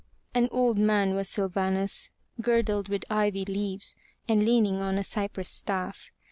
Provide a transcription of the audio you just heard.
An old man was Sylvanus, girdled with ivy leaves, and leaning on a cypress staff.